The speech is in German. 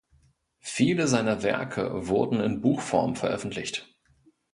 Viele seiner Werke wurden in Buchform veröffentlicht.